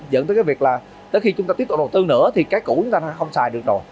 dẫn tới cái việc là tới khi chúng ta tiếp tục đầu tư nữa thì cái cũ chúng ta không xài được rồi